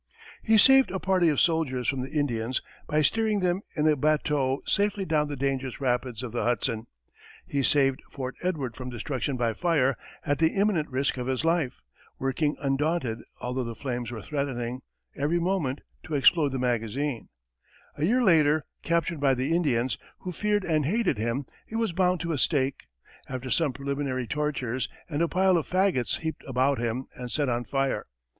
He saved a party of soldiers from the Indians by steering them in a bateau safely down the dangerous rapids of the Hudson; he saved Fort Edward from destruction by fire at the imminent risk of his life, working undaunted although the flames were threatening, every moment, to explode the magazine; a year later, captured by the Indians, who feared and hated him, he was bound to a stake, after some preliminary tortures, and a pile of fagots heaped about him and set on fire.